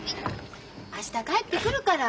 明日帰ってくるから。